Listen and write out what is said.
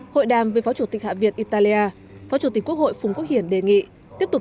hội đàm với phó chủ tịch hạ viện italia phó chủ tịch quốc hội phùng quốc hiển đề nghị tiếp tục